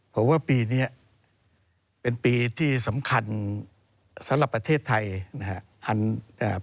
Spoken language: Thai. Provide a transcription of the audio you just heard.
ผมว่าปีนี้เป็นปีที่สำคัญสำหรับประเทศไทยนะครับ